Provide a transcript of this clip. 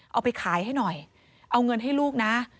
เอาไปขายให้หน่อยเอาเงินให้ลูกนะ